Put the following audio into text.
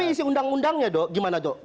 isi undang undangnya dok gimana dok